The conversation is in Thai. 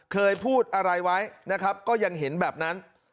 เคยพูดอะไรไว้นะครับก็ยังเห็นแบบนั้น